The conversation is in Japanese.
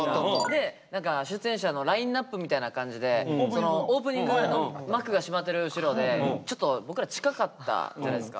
で出演者のラインナップみたいな感じでオープニング幕が閉まってる後ろでちょっと僕ら近かったじゃないですか。